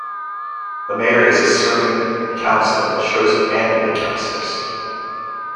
The Mayor is a serving councillor, chosen annually councillors.